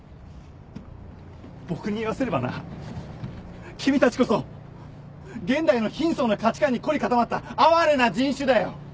僕に言わせればな君たちこそ現代の貧相な価値観に凝り固まった哀れな人種だよ。